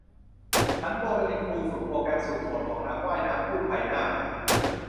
ผันตัวไปเป็นครูฝึกโปรแกรมสุดโหดของนักว่ายน้ำกู้ภัยหน้าใหม่